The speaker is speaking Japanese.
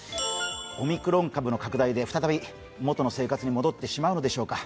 オミクロン株の拡大で再び元の生活に戻ってしまうのでしょうか。